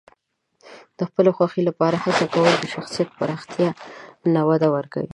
د خپلې خوښې لپاره هڅې کول د شخصیت پراختیا ته وده ورکوي.